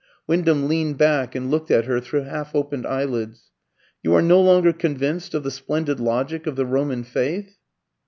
Wyndham leaned back and looked at her through half opened eyelids. "You are no longer convinced of the splendid logic of the Roman faith?"